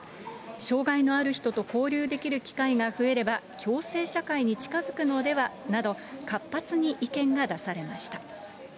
障害のある人と交流できる機会が増えれば、共生社会に近づくのではなど、活発に意見が出されました。